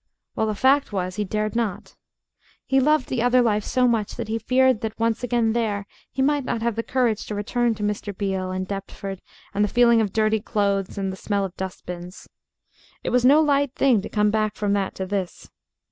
Well, the fact was he dared not. He loved the other life so much that he feared that, once again there, he might not have the courage to return to Mr. Beale and Deptford and the feel of dirty clothes and the smell of dust bins. It was no light thing to come back from that to this.